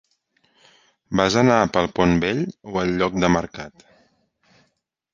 Vas anar pel pont vell, o el lloc de mercat?